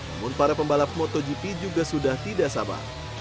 namun para pembalap motogp juga sudah tidak sabar